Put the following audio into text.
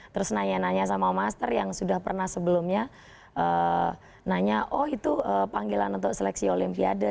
terus nanya nanya sama master yang sudah pernah sebelumnya nanya oh itu panggilan untuk seleksi olimpiade